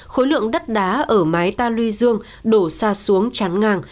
khối lượng đất đá ở mái ta luy dương đổ xa xuống chán ngang